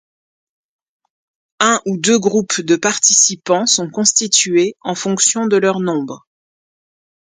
Un ou deux groupes de participants sont constitués en fonction de leur nombre.